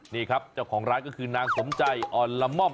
นี่ครับเจ้าของร้านก็คือนางสมใจอ่อนละม่อม